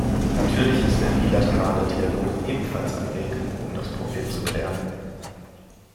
Natürlich ist der bilaterale Dialog ebenfalls ein Weg, um das Problem zu klären.